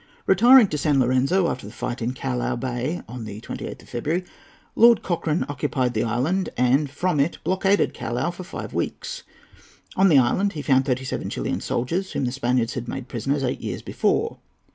Retiring to San Lorenzo, after the fight in Callao Bay on the 28th of February, Lord Cochrane occupied the island, and from it blockaded Callao for five weeks. On the island he found thirty seven Chilian soldiers, whom the Spaniards had made prisoners eight years before.